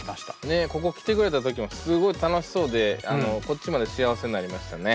ねここ来てくれた時もすごい楽しそうでこっちまで幸せになりましたね。